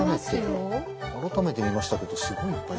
改めて見ましたけどすごいいっぱい。